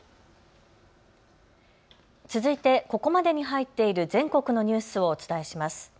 続いてここまでに入っている全国のニュースをお伝えします。